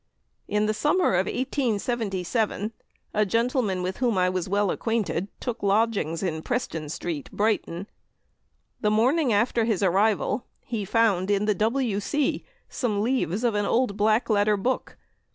In the summer of 1877, a gentleman with whom I was well acquainted took lodgings in Preston Street, Brighton. The morning after his arrival, he found in the w.c. some leaves of an old black letter book.